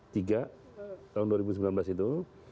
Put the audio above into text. tahun dua ribu sembilan belas itu